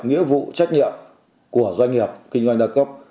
nghĩa vụ trách nhiệm của doanh nghiệp kinh doanh đa cấp